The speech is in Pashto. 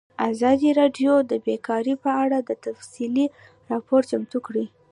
ازادي راډیو د بیکاري په اړه تفصیلي راپور چمتو کړی.